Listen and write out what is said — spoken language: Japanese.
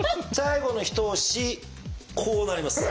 最後の一押しこうなります。